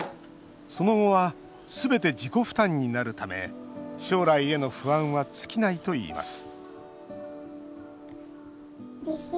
その後は、すべて自己負担になるため将来への不安は尽きないといいます